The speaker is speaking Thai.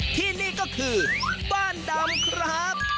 ที่นี่ก็คือบ้านดำครับ